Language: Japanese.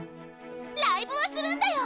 ライブをするんだよ！